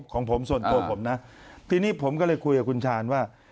ของผมส่วนตัวผมนะทีนี้ผมก็เลยคุยกับคุณชาญว่า